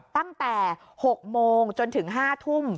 ตั้งแต่๖โมงจนถึง๕ทุ่ม